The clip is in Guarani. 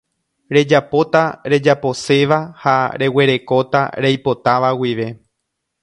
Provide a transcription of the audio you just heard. Rejapóta rejaposéva ha reguerekóta reipotáva guive